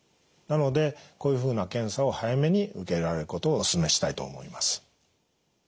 なのでこういうふうな検査を早めに受けられることをおすすめしたいと思います。